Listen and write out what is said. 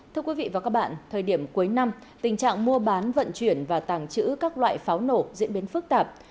thưa quý vị và các bạn thời điểm cuối năm tình trạng mua bán vận chuyển và tàng trữ các loại pháo nổ diễn biến phức tạp